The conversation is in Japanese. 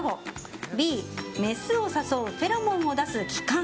Ｂ、メスを誘うフェロモンを出す器官。